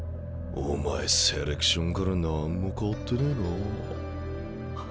お前セレクションから何も変わってねえなあ。